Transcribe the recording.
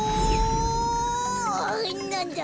なんだ？